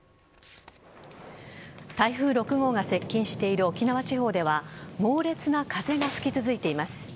台風６号が接近している沖縄地方では猛烈な風が吹き続いています。